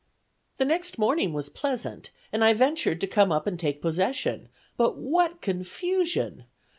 "The next morning was pleasant, and I ventured to come up and take possession; but what confusion!